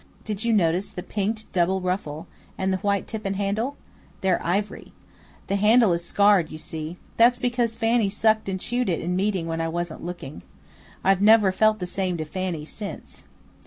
"Did you notice the pinked double ruffle and the white tip and handle? They're ivory. The handle is scarred, you see. That's because Fanny sucked and chewed it in meeting when I wasn't looking. I've never felt the same to Fanny since."